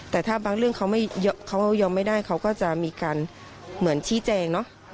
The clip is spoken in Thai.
แต่ถ้าบางเรื่องเขายอมไม่ได้เขาก็จะมีการเหมือนชี้แจงเนอะ